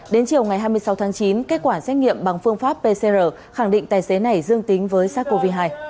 đến chiều ngày hai mươi sáu tháng chín kết quả xét nghiệm bằng phương pháp pcr khẳng định tài xế này dương tính với sars cov hai